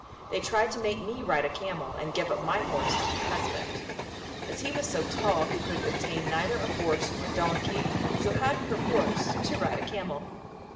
They tried to make me ride a camel and give up my horse to my husband. As he was so tall, he could obtain neither a horse nor a donkey, so had perforce to ride a camel.